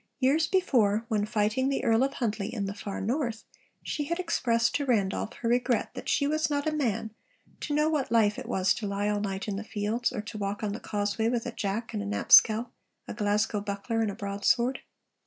Years before, when fighting the Earl of Huntly in the far North, she had expressed to Randolph her regret 'that she was not a man to know what life it was to lie all night in the fields, or to walk on the causeway, with a jack and knapschalle, a Glasgow buckler, and a broadsword.'